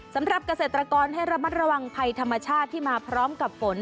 สำหรับเกษตรกรให้ระมัดระวังภัยธรรมชาติที่มาพร้อมกับฝน